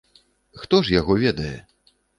Хто ж яго ведае!